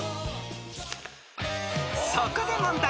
［そこで問題］